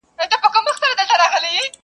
چي پر سمه لاره ځم راته قهرېږي،